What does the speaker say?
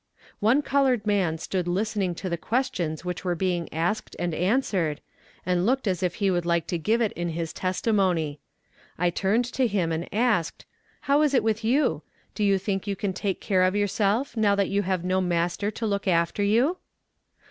One colored man stood listening to the questions which were being asked and answered, and looked as if he would like to give in his testimony. I turned to him, and asked: "How is it with you? do you think you can take care of yourself, now that you have no master to look after you?"